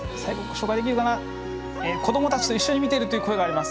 「子どもたちと一緒に見ている」という声があります。